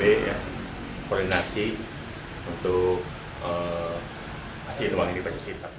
dan koordinasi untuk hasil uang ini